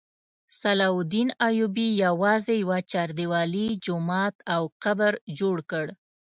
صلاح الدین ایوبي یوازې یوه چاردیوالي، جومات او قبر جوړ کړ.